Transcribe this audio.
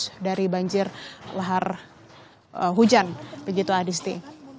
dan juga kemudian dari banjir lahar hujan begitu adhisti